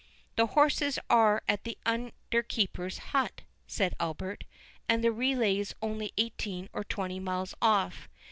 "The horses are at the under keeper's hut," said Albert, "and the relays only eighteen or twenty miles off.